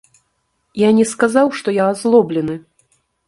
Я не сказаў, што я азлоблены.